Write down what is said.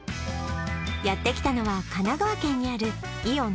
やってきたのは神奈川県にあるイオン